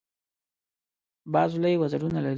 باز لوی وزرونه لري